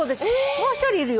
もう一人いるよ。